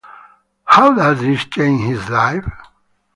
How does this change his life?